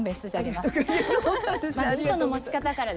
まず糸の持ち方からです。